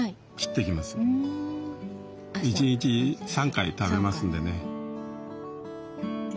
１日３回食べますんでね。